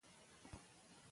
ځینې ناروغان درمل نه اخلي.